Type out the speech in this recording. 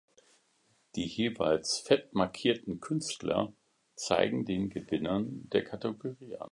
Die jeweils fett markierten Künstler zeigen den Gewinner der Kategorie an.